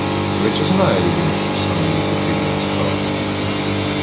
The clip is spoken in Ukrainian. Але чи знає людина, що саме їй потрібно насправді?